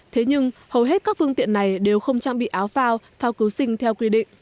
thế nhưng hầu hết các phương tiện này đều không trang bị áo phao phao cứu sinh theo quy định